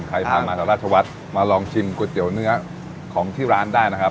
ใครพามาจากราชวัฒน์มาลองชิมก๋วยเตี๋ยวเนื้อของที่ร้านได้นะครับ